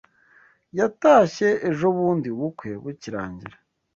Yatashye ejobundi ubukwe bukirangira